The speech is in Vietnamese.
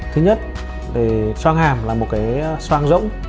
thứ nhất xoang hàm là một cái xoang rỗng